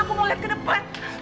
aku mau lihat ke depan